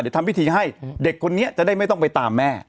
เดี๋ยวทำพิธีให้เด็กคนนี้จะได้ไม่ต้องไปตามแม่